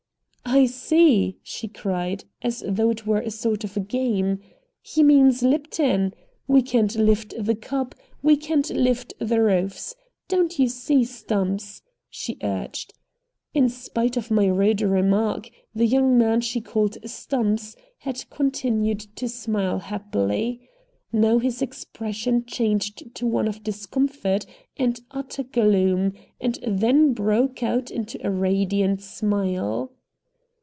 "I see," she cried, as though it were a sort of a game. "He means Lipton! We can't lift the cup, we can't lift the roofs. Don't you see, Stumps!" she urged. In spite of my rude remark, the young man she called Stumps had continued to smile happily. Now his expression changed to one of discomfort and utter gloom, and then broke out into a radiant smile.